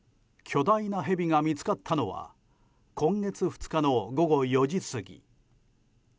巨大なヘビが見つかったのは今月２日の午後４時過ぎ。